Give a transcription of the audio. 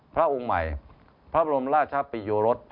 พระองค์ใหม่พระบรมราชปิโยรส